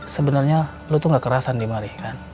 sebenernya lo tuh gak kerasan di mari kan